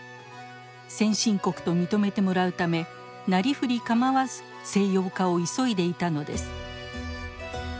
先進国と認めてもらうためなりふり構わず西洋化を急いでいたのです。